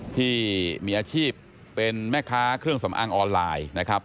ที่มีอาชีพเป็นแม่ค้าเครื่องสำอางออนไลน์นะครับ